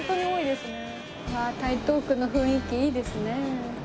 台東区の雰囲気いいですね。